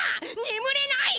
ねむれない！